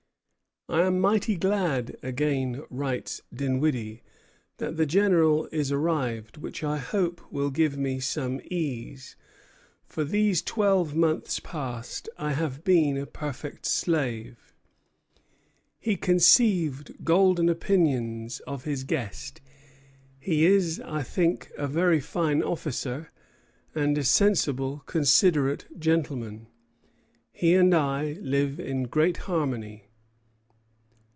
"I am mighty glad," again writes Dinwiddie, "that the General is arrived, which I hope will give me some ease; for these twelve months past I have been a perfect slave." He conceived golden opinions of his guest. "He is, I think, a very fine officer, and a sensible, considerate gentleman. He and I live in great harmony."